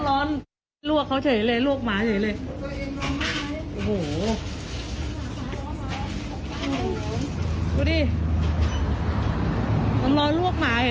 โอ้โอ้โอ้